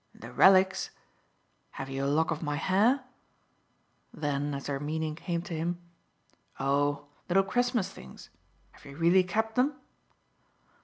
"The 'relics'? Have you a lock of my hair?" Then as her meaning came to him: "Oh little Christmas things? Have you really kept them?"